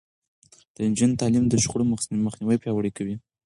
د نجونو تعليم د شخړو مخنيوی پياوړی کوي.